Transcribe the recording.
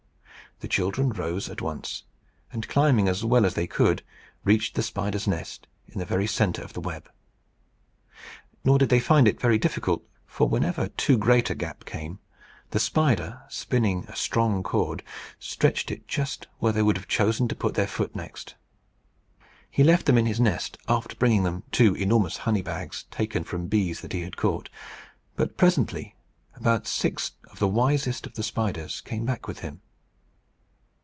The children rose at once, and climbing as well as they could, reached the spider's nest in the centre of the web. Nor did they find it very difficult; for whenever too great a gap came, the spider spinning a strong cord stretched it just where they would have chosen to put their feet next. He left them in his nest, after bringing them two enormous honey bags, taken from bees that he had caught; but presently about six of the wisest of the spiders came back with him.